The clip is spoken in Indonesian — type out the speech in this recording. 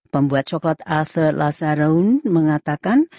pembuat coklat arthur lazarown mengatakan